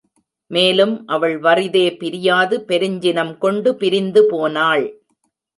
மேலும், அவள் வறிதே பிரியாது, பெருஞ்சினம் கொண்டு பிரிந்து போனாள்.